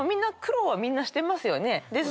苦労はみんなしてますよね。